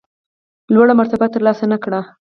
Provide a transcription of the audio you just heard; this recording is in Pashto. لوړه مرتبه ترلاسه نه کړه.